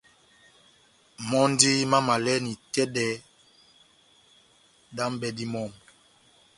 Mɔ́ndí mámavalɛ́ni itɛ́dɛ dá m’bɛ́dí mɔmu.